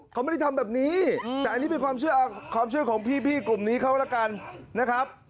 เขาไม่ได้ทำแบบนี้แต่อันนี้เป็นความเชื่อความเชื่อของพี่กลุ่มนี้เขาแล้วกันนะครับ